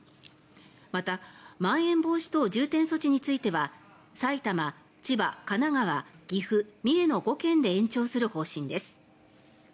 またまん延防止等重点措置については埼玉、千葉、神奈川岐阜、三重の５県で延長する方針です。